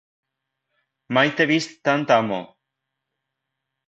Mai t'he vist tant amo